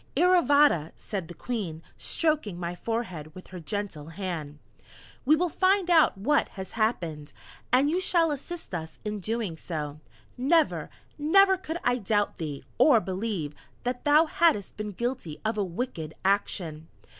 "Iravata," said the Queen, stroking my forehead with her gentle hand, "We will find out what has happened, and you shall assist us in doing so. Never, never could I doubt thee, or believe that thou hadst been guilty of a wicked action.